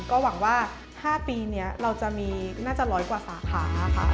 ก็หวังว่า๕ปีนี้เราน่าจะมี๑๐๐กว่าสาขา